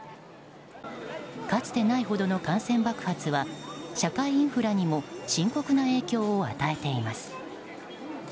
かつてないほどの感染爆発は社会インフラにも深刻な影響を与えています。